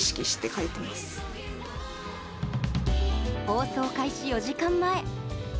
放送開始４時間前。